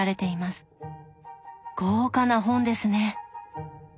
豪華な本ですね。